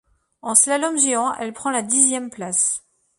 En slalom géant, elle prend la dixième place.